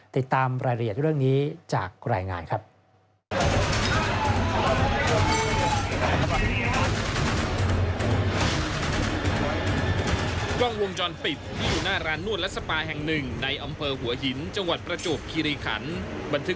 ติดตามรายละเอียดเรื่องนี้จากรายงานครับ